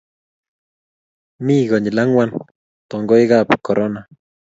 mi konyil ang'wan tongoikab korona